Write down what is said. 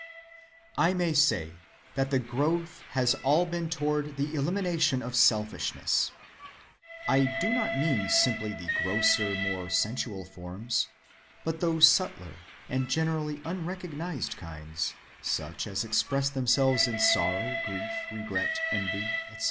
"I may say that the growth has all been toward the elimination of selfishness. I do not mean simply the grosser, more sensual forms, but those subtler and generally unrecognized kinds, such as express themselves in sorrow, grief, regret, envy, etc.